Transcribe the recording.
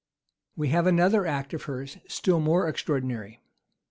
570 We have another act of hers still more extraordinary.